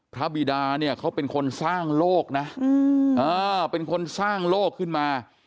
บิดาเนี่ยเขาเป็นคนสร้างโลกนะเป็นคนสร้างโลกขึ้นมา